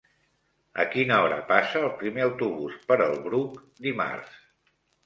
A quina hora passa el primer autobús per el Bruc dimarts?